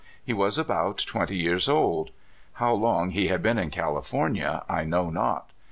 He was about twenty years old. How long he had been in Cali fornia I know not.